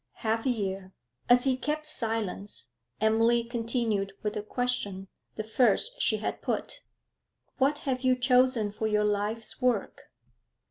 'Half a year.' As he kept silence, Emily continued with a question, the first she had put. 'What have you chosen for your life's work?'